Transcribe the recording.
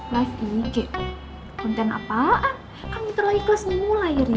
live di ig konten apaan kamu telah ikhlas memulai rin